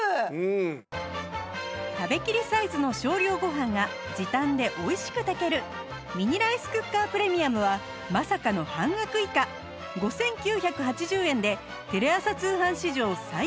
食べきりサイズの少量ご飯が時短で美味しく炊けるミニライスクッカープレミアムはまさかの半額以下５９８０円でテレ朝通販史上最安値